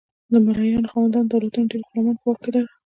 د مرئیانو خاوندان دولتونه ډیر غلامان په واک کې لرل.